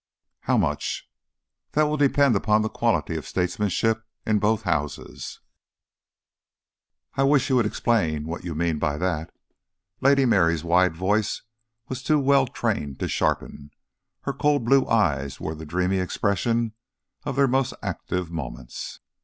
"How much?" "That will depend upon the quality of statesmanship in both Houses." "I wish you would explain what you mean by that." Lady Mary's wide voice was too well trained to sharpen. Her cold blue eyes wore the dreamy expression of their most active moments.